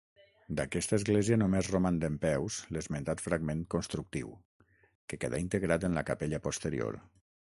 D'aquesta església només roman dempeus l'esmentat fragment constructiu, que quedà integrat en la capella posterior.